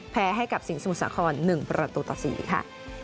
แพ้ให้กับสิงห์สมุทรสาคร๑ประตูต่อ๔ค่ะ